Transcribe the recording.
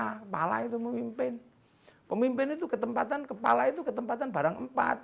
kepala itu memimpin pemimpin itu ketempatan kepala itu ketempatan barang empat